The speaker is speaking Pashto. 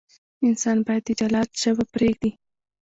انسان باید د جلاد ژبه پرېږدي.